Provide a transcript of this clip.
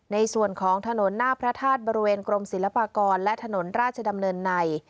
ในส่วนของถนนหน้าพระธาตุบริเวณกรมศิลปากรและถนนราชดำเนินใน